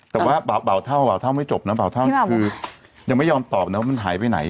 แต่ว่าเบาเท่าเท่าไม่จบนะเบาเท่าคือยังไม่ยอมตอบนะว่ามันหายไปไหน